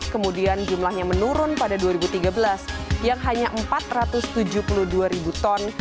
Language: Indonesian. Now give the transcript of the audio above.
kemudian jumlahnya menurun pada dua ribu tiga belas yang hanya empat ratus tujuh puluh dua ribu ton